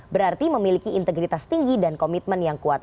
berarti memiliki integritas tinggi dan komitmen yang kuat